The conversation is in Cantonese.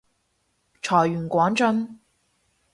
財源廣進